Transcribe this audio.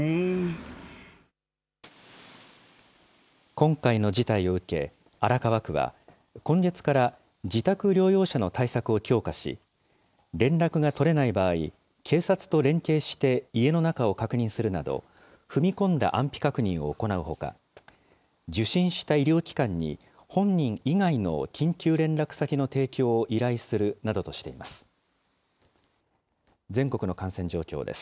今回の事態を受け、荒川区は、今月から自宅療養者の対策を強化し、連絡が取れない場合、警察と連携して家の中を確認するなど、踏み込んだ安否確認を行うほか、受診した医療機関に本人以外の緊急連絡先の提供を依頼するなどとしています。